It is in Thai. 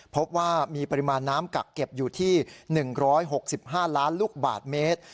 พบว่ามีปริมาณน้ำกักเก็บอยู่ที่๑๖๕ล้านลูกบาทเมตร